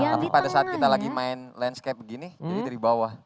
tapi pada saat kita lagi main landscape begini jadi dari bawah